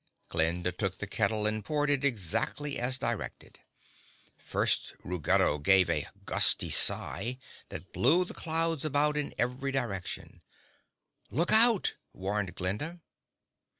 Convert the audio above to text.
Glinda took the kettle and poured it exactly as directed. First Ruggedo gave a gusty sigh that blew the clouds about in every direction. "Look out!" warned Glinda.